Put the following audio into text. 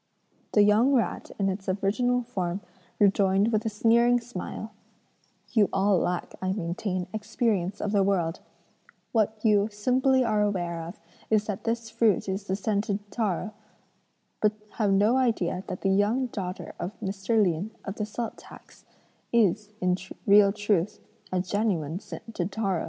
"The young rat in its original form rejoined with a sneering smile: 'You all lack, I maintain, experience of the world; what you simply are aware of is that this fruit is the scented taro, but have no idea that the young daughter of Mr. Lin, of the salt tax, is, in real truth, a genuine scented taro.'"